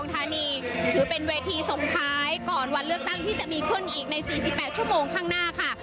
ถือเป็นเวทีส่งท้ายก่อนวันเลือกตั้งที่จะมีขึ้นอีกใน๔๘ชั่วโมงข้างหน้าค่ะ